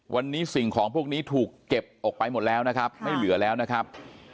วันนี้สิ่งของพวกนี้ถูกเก็บออกไปหมดแล้วนะครับไม่เหลือแล้วนะครับ